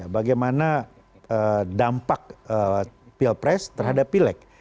bagaimana dampak pilpres terhadap pileg